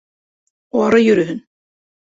Ары йөрөһөн!